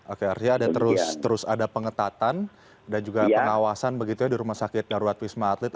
oke artinya ada terus ada pengetatan dan juga pengawasan begitu ya di rumah sakit darurat wisma atlet